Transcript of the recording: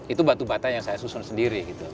itu batu batai yang saya susun sendiri gitu